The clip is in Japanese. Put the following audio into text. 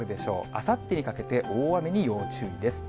あさってにかけて大雨に要注意です。